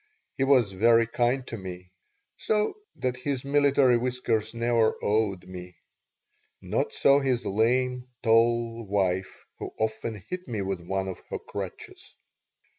He was very kind to me, so that his military whiskers never awed me. Not so his lame, tall wife, who often hit me with one of her crutches.